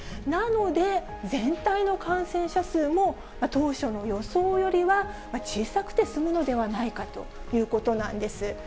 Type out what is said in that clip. なので、全体の感染者数も当初の予想よりは小さくて済むのではないかということなんです。